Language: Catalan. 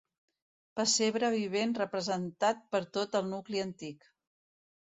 Pessebre vivent representat per tot el nucli antic.